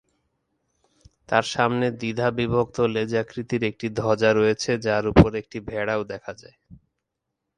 তার সামনে দ্বিধাবিভক্ত লেজাকৃতির একটি ধ্বজা রয়েছে যার উপর একটি ভেড়াও দেখা যায়।